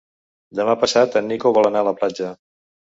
Demà passat en Nico vol anar a la platja.